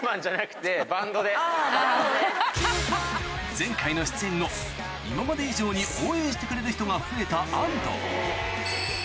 前回の出演後今まで以上に応援してくれる人が増えた安藤安藤！